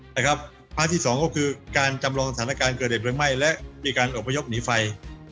พระที่สองก็คือการจำลองสถานการณ์เกิดเหตุเพลิงไหม้และมีการอบพยพหนีไฟ